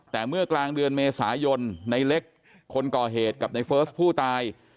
แต่เมื่อกลางเดือนเมษายนในเล็กคนก่อเหตุกับในเฟิร์สผู้ตาย